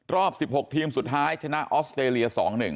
รอบ๑๖ทีมสุดท้ายชนะออสเตรเลีย๒๑